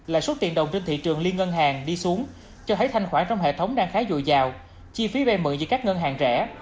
lãi suất tiền đồng trên thị trường liên ngân hàng đi xuống cho thấy thanh khoản trong hệ thống đang khá dùi dào chi phí bay mượn giữa các ngân hàng rẻ